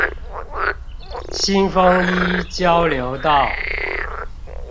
新豐一交流道